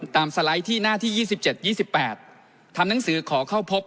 ตามสไลด์ที่หน้าที่ยี่สิบเจ็ดยี่สิบแปดทำนังสือขอเข้าพบ